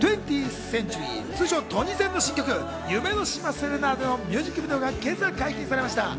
２０ｔｈＣｅｎｔｕｒｙ、通称トニセンの新曲『夢の島セレナーデ』のミュージックビデオが今朝解禁されました。